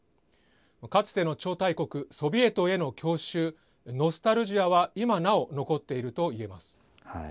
かつての超大国、ソビエトの郷愁・ノスタルジアは今なお残っていると言えます。